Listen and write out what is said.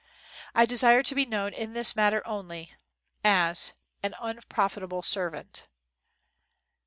"I desire to be known in this matter only 'An Unprofitable Servant.'